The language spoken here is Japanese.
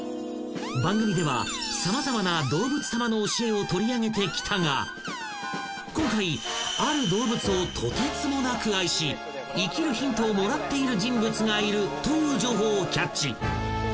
［番組では様々な動物さまの教えを取り上げてきたが今回ある動物をとてつもなく愛し生きるヒントをもらっている人物がいるという情報をキャッチ］